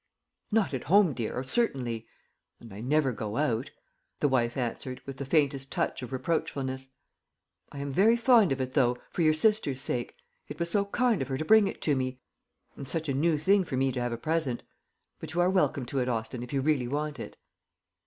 "Not at home, dear, certainly; and I never go out," the wife answered, with the faintest touch of reproachfulness. "I am very fond of it, though, for your sister's sake. It was so kind of her to bring it to me, and such a new thing for me to have a present. But you are welcome to it, Austin, if you really want it."